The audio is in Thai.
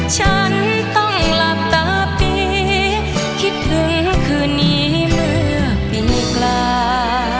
ฉันต้องหลับตาปีคิดถึงคืนนี้เมื่อกินปลา